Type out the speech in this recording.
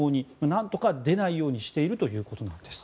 何とか出ないようにしているということです。